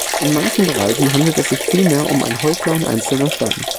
In manchen Bereichen handelt es sich vielmehr um ein Häuflein einzelner Steine.